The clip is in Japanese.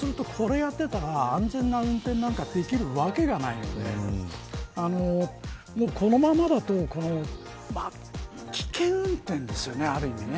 これやってたら安全な運転なんかできるわけがないのでこのままだと危険運転ですよね、ある意味ね。